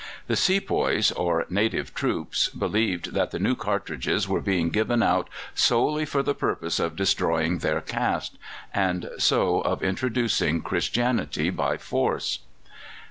The sepoys, or native troops, believed that the new cartridges were being given out solely for the purpose of destroying their caste, and so of introducing Christianity by force.